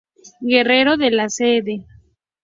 Guerrero, de la Cd.